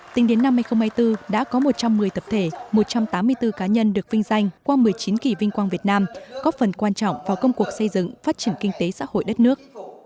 tính đến năm hai nghìn hai mươi bốn đã có một trăm một mươi tập thể một trăm tám mươi bốn cá nhân được vinh danh qua một mươi chín kỷ vinh quang việt nam có phần quan trọng vào công cuộc xây dựng phát triển kinh tế xã hội đất nước